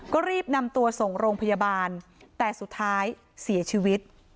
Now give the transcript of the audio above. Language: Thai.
ก็รีบนำตัวส่งโรงพยาบาลแต่สุดท้ายเสียชีวิต